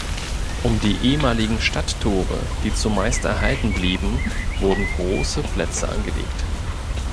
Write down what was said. Um die ehemaligen Stadttore, die zumeist erhalten blieben, wurden große Plätze angelegt.